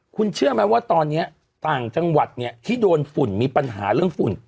คุณเชื่อไหมว่าตอนนี้ต่างจังหวัดเนี่ยที่โดนฝุ่นมีปัญหาเรื่องฝุ่น